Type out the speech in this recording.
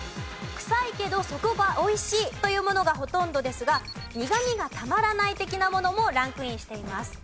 臭いけどそこが美味しいというものがほとんどですが苦みがたまらない的なものもランクインしています。